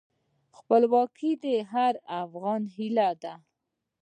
خپلواکي د هر افغان هیله ده.